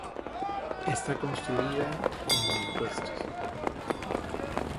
Está construida con mampuestos.